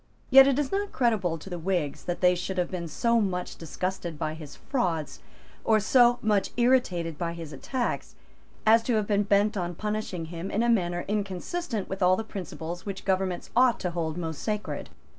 Yet it is not creditable to the Whigs that they should have been so much disgusted by his frauds, or so much irritated by his attacks, as to have been bent on punishing him in a manner inconsistent with all the principles which governments ought to hold most sacred.